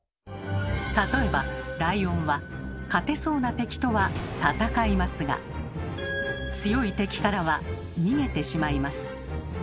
例えばライオンは勝てそうな敵とは戦いますが強い敵からは逃げてしまいます。